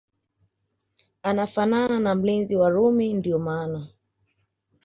anafanana na mlinzi wa Rumi ndio maana